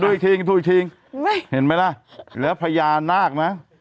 อีกทีดูอีกทีเห็นไหมล่ะแล้วพญานาคนะ